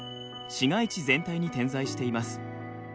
市街地全体に点在しています。